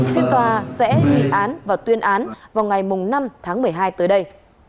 phiên tòa sẽ nghị án và tuyên án vào ngày năm tháng một mươi hai tới đây